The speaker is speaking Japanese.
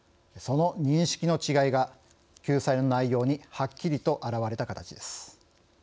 その認識の違いが救済の内容にはっきりと表れた形です。